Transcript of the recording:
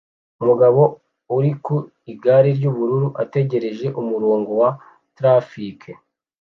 Umugabo uri ku igare ry'ubururu ategereje umurongo wa traffic